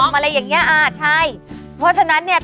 เพราะฉะนั้นเนี่ย